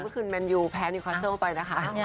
เมื่อคืนแมนยูแพ้ในคอนเซิลไปนะคะ